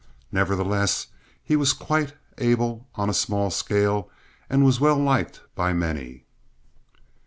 Nevertheless he was quite able on a small scale, and was well liked by many.